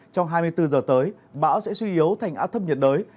trong hai mươi bốn giờ tới bão sẽ suy yếu thành áp thấp nhiệt đới